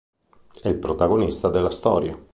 È il protagonista della storia.